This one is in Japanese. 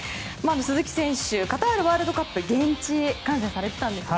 鈴木選手カタールワールドカップを現地観戦されてたんですよね。